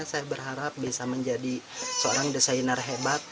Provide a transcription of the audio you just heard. saya berharap bisa menjadi seorang desainer hebat